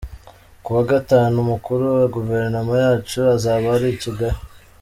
“Ku wa Gatanu umukuru wa Guverinoma yacu azaba ari i Kigali.